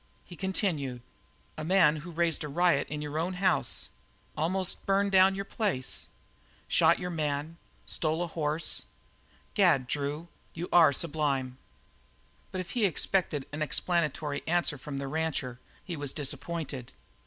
He continued: "A man who raised a riot in your own house, almost burned down your place, shot your man, stole a horse gad, Drew, you are sublime!" But if he expected an explanatory answer from the rancher he was disappointed.